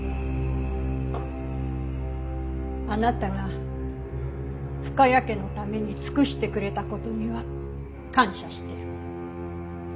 あなたが深谷家のために尽くしてくれた事には感謝してる。